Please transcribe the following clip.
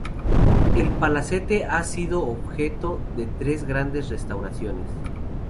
El palacete ha sido objeto de tres grandes restauraciones.